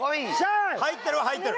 入ってるわ入ってる。